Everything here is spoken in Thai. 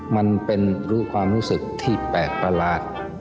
มันเป็นรู้ความรู้สึกที่แปลกประหลาด